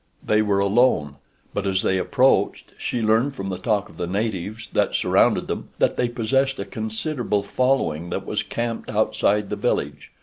They were alone, but as they approached she learned from the talk of the natives that surrounded them that they possessed a considerable following that was camped outside the village.